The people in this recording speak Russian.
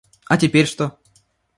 А теперь что?